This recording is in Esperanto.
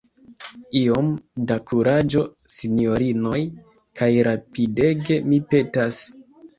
Iom da kuraĝo, sinjorinoj; kaj rapidege, mi petas.